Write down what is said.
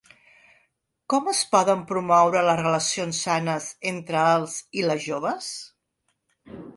Com es poden promoure les relacions sanes entre els i les joves?.